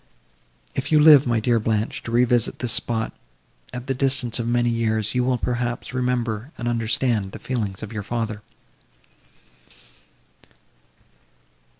If you live, my dear Blanche, to revisit this spot, at the distance of many years, you will, perhaps, remember and understand the feelings of your father."